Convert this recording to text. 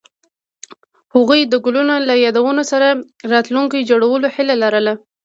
هغوی د ګلونه له یادونو سره راتلونکی جوړولو هیله لرله.